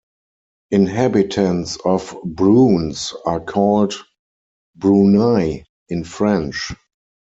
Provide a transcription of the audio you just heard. Inhabitants of Broons are called "Broonais" in French.